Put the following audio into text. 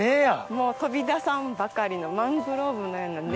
もう飛び出さんばかりのマングローブのような根。